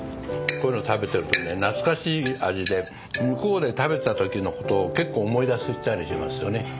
こういうの食べてるとね懐かしい味で向こうで食べた時のことを結構思い出したりしますよね。